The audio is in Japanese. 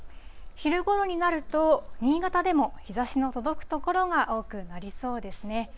昼ごろになると、新潟でも日ざしの届く所が多くなりそうですね。